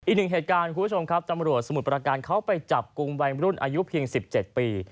อีกหนึ่งเหตุการณ์คุณผู้ชมครับตำรวจสมุทรประการเขาไปจับกลุ่มวัยรุ่นอายุเพียง๑๗ปี